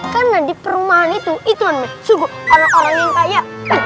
karena di perumahan itu itu namanya suku orang orang yang kaya